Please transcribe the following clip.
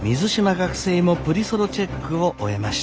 学生もプリソロチェックを終えました。